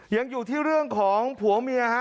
ยังอยู่ที่เรื่องของผัวเมียฮะ